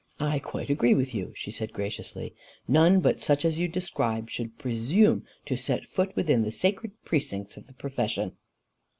"I quite agree with you," she said graciously. "None but such as you describe should presume to set foot within the sacred precincts of the profession."